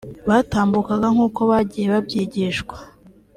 Batambukaga nk’uko bagiye babyigishwa